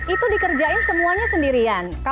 itu dikerjain semuanya sendirian